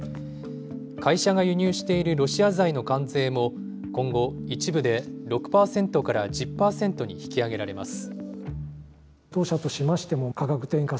会社が輸入しているロシア材の関税も、今後、一部で６％から１０％に引き上げられます。